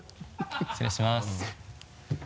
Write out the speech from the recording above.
失礼します。